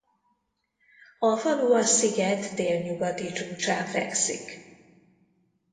A falu a sziget délnyugati csúcsán fekszik.